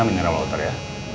mineral water ya